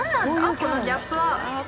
このギャップは。